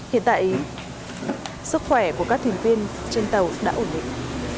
hiện tại sức khỏe của các thuyền viên trên tàu đã ổn định